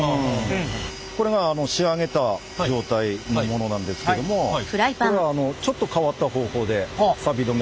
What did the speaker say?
これが仕上げた状態のものなんですけどもこれはあのちょっと変わった方法でさび止めかけます。